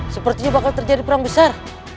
sepertinya bakal terjadi perang besar